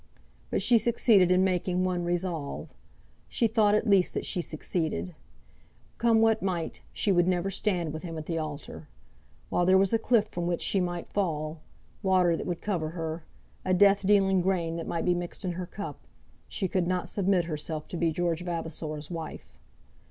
But she succeeded in making one resolve. She thought at least that she succeeded. Come what might, she would never stand with him at the altar. While there was a cliff from which she might fall, water that would cover her, a death dealing grain that might be mixed in her cup, she could not submit herself to be George Vavasor's wife.